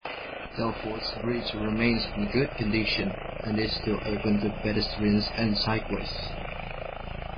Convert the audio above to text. Telford's bridge remains in good condition, and is still open to pedestrians and cyclists.